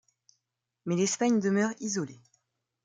Mais l'Espagne demeure isolée.